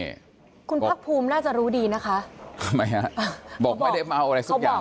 นี่คุณพักภูมิน่าจะรู้ดีนะคะทำไมฮะบอกไม่ได้เมาอะไรสักอย่าง